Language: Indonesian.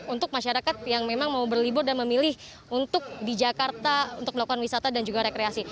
untuk masyarakat yang memang mau berlibur dan memilih untuk di jakarta untuk melakukan wisata dan juga rekreasi